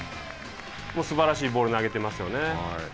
すばらしいボールを投げていますよね。